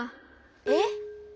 えっ？